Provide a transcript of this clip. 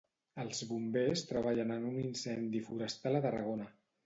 Els Bombers treballen en un incendi forestal a Tarragona.